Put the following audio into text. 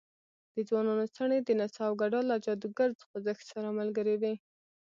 د ځوانانو څڼې د نڅا او ګډا له جادوګر خوځښت سره ملګرې وې.